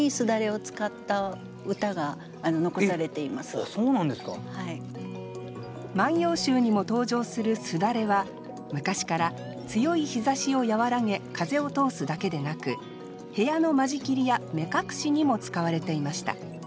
これそもそも「万葉集」にも登場する簾は昔から強い日ざしを和らげ風を通すだけでなく部屋の間仕切りや目隠しにも使われていました。